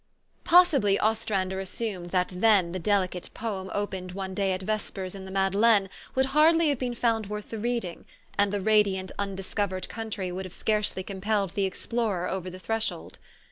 Possibly Ostrander assumed that then the delicate poem opened one day at vespers in the Madeleine would hardly have been found worth the reading, and the radiant, undiscovered country would have scarcely compelled the explorer over the threshold.